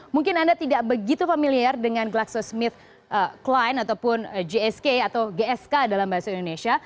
mungkin anda tidak begitu familiar dengan glaxosmith cline ataupun gsk atau gsk dalam bahasa indonesia